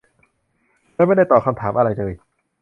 และไม่ได้ตอบคำถามอะไรเลย